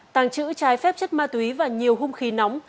tàng trữ trái phép chất ma túy và nhiều hung khí nóng